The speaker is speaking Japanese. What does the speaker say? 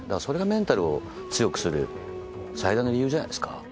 それがメンタルを強くする最大の理由じゃないですか。